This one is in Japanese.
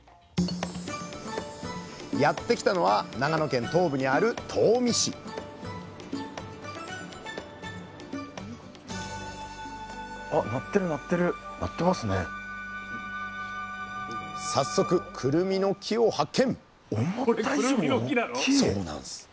やって来たのは長野県東部にある東御市早速くるみの木を発見！